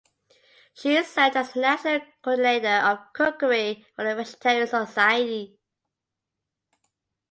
She served as the national coordinator of cookery for the Vegetarian Society.